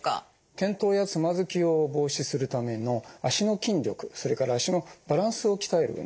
転倒やつまずきを防止するための脚の筋力それから脚のバランスを鍛える運動です。